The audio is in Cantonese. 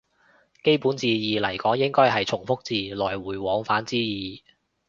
基本字義嚟講應該係從復字，來回往返之意